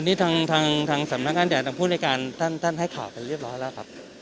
อันนี้ทางทางทางสำหรับการแจ้งทางผู้โดยการตั้งตั้งให้ข่าวไปเรียบร้อยแล้วครับ